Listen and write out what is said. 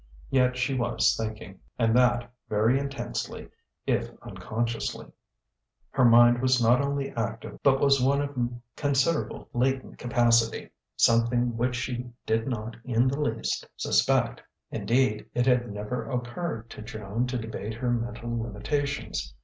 Yet she was thinking, and that very intensely if unconsciously. Her mind was not only active but was one of considerable latent capacity: something which she did not in the least suspect; indeed, it had never occurred to Joan to debate her mental limitations.